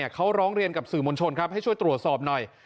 เขาร้องเรียนกับสื่อมวลชนครับให้ช่วยตรวจสอบหน่อย